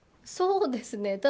そうですね。